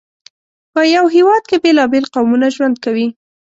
په یو هېواد کې بېلابېل قومونه ژوند کوي.